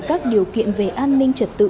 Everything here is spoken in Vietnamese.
các điều kiện về an ninh trật tự